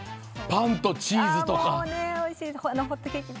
パンとチーズとか。